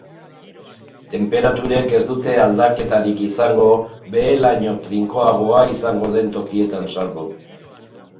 Tenperaturek ez dute aldaketarik izango, behe-laino trinkoagoa izango den tokietan salbu.